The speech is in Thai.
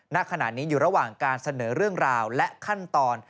ณขณะนี้อยู่ระหว่างการเสนอเรื่องราวและขั้นตอน